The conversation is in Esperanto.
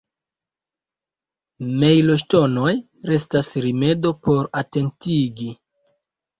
Mejloŝtonoj restas rimedo por atentigi.